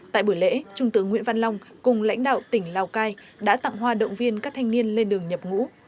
tại buổi lễ trung tướng nguyễn văn long cùng lãnh đạo tỉnh lào cai đã tặng hoa động viên các thanh niên lên đường nhập ngũ